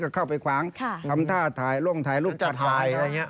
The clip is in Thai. ก็เข้าไปขวางทำท่าถ่ายล่วงถ่ายลูกถ่าย